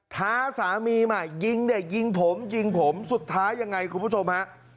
ท้าสามีมายิงเด็กยิงผมยิงผมสุดท้ายยังไงคุณผู้ชมฮะ